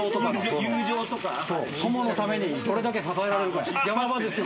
友のためにどれだけ支えられるか。